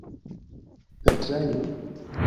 Per trajno?